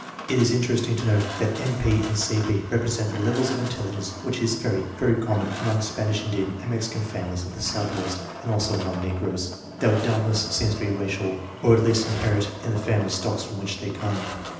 It is interesting to note that M. P. and C. P. represent the level of intelligence which is very, very common among Spanish Indian and Mexican families of the Southwest and also among negroes. Their dullness seems to be racial, or at least inherent in the family stocks from which they come.